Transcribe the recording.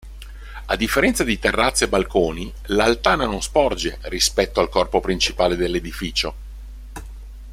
A differenza di terrazze e balconi, l'altana non sporge rispetto al corpo principale dell'edificio.